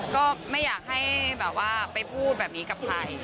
ก็ไม่อยากให้แบบว่าไปพูดแบบนี้กับใคร